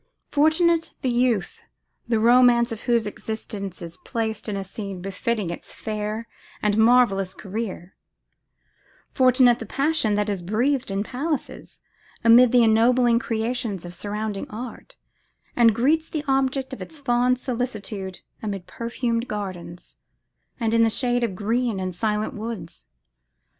Fortunate the youth, the romance of whose existence is placed in a scene befitting its fair and marvellous career; fortunate the passion that is breathed in palaces, amid the ennobling creations of surrounding art, and greets the object of its fond solicitude amid perfumed gardens, and in the shade of green and silent woods!